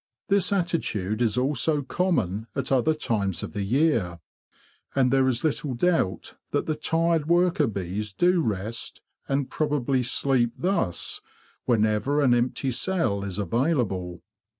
This attitude is also common at other times of the year, and there is little doubt that the tired worker bees do rest, and probably sleep, thus, whenever an empty cell is available.